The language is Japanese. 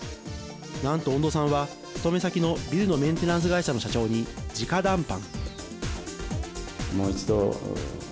なんと穏土さんは勤め先のビルのメンテナンス会社の社長に直談判。